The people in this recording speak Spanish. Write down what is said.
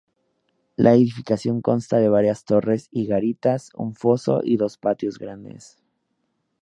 La edificación consta de varias torres y garitas, un foso y dos patios grandes.